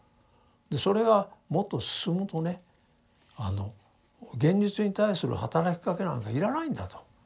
でそれがもっと進むとねあの現実に対するはたらきかけなんか要らないんだと。